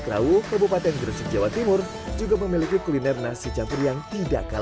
kerauh kebupaten gresik jawa timur juga memiliki kuliner nasi campur yang tidak